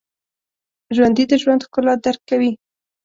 ژوندي د ژوند ښکلا درک کوي